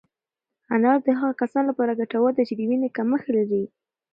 انار د هغو کسانو لپاره ګټور دی چې د وینې کمښت لري.